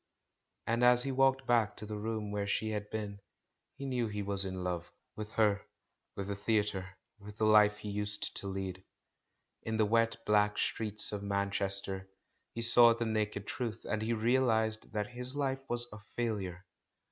And as he walked back, to the room where she had been, he knew he was in love — with her, with the Theatre, with the life he used to lead. In the THE CALL FROM THE PAST 415 wet, black streets of Manchester he saw the naked truth, and he reahsed that his Hfe was a failure.